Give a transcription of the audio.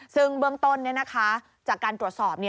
ซึ่งเบื้องต้นจากการตรวจสอบ